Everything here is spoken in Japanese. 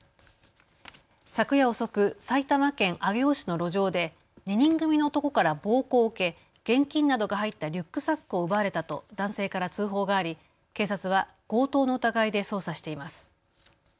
昨夜遅く、埼玉県上尾市の路上で２人組の男から暴行を受け現金などが入ったリュックサックを奪われたと男性から通報があり警察は強盗の疑いで捜査しています。